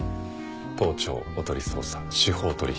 盗聴おとり捜査司法取引。